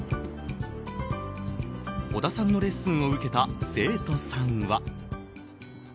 小田さんのレッスンを受けた生徒さんは。